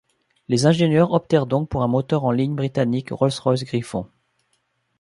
Les ingénieurs optèrent donc pour un moteur en ligne britannique Rolls-Royce Griffon.